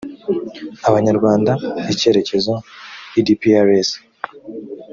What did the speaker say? abanyarwanda icyerekezo edprs